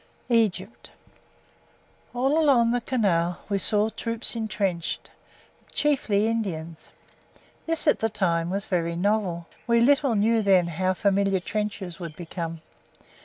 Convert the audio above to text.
EGYPT All along the canal we saw troops entrenched chiefly Indians. This at the time was very novel we little knew then how familiar trenches would become.